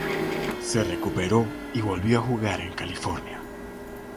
Se recuperó y volvió a jugar en California.